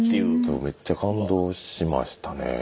ちょっとめっちゃ感動しましたね。